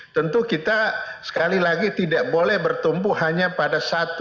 tentu kita sekali lagi tidak boleh bertumbuh hanya pada satu